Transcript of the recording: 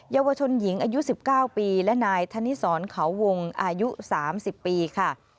เยาวชนหญิงอายุ๑๙ปีและนายธนิสรเขาวงอายุ๓๐ปีค่ะ